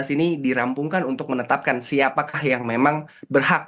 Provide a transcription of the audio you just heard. dua ribu empat belas ini dirampungkan untuk menetapkan siapakah yang memang berhak